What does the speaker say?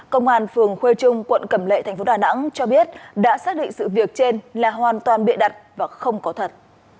công an phường khuê trung quận cẩm lệ thành phố đà nẵng cho biết đã xác định sự việc trên là hoàn toàn bịa đặt và không có thật